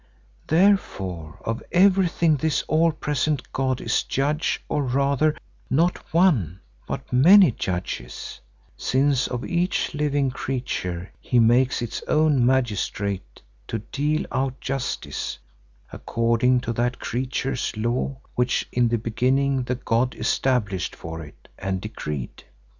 Therefore of everything this all present god is judge, or rather, not one but many judges, since of each living creature he makes its own magistrate to deal out justice according to that creature's law which in the beginning the god established for it and decreed.